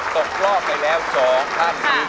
ตกรอบไปแล้ว๒ท่านนี้